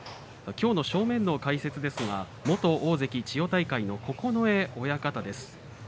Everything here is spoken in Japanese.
きょう正面の解説元大関千代大海の九重親方です。